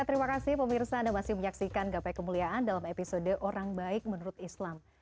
terima kasih pemirsa anda masih menyaksikan gapai kemuliaan dalam episode orang baik menurut islam